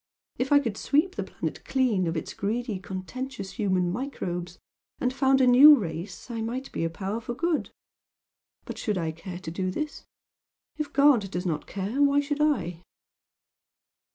If I could sweep the planet clean of its greedy, contentious human microbes, and found a new race I might be a power for good, but should I care to do this? If God does not care, why should I?"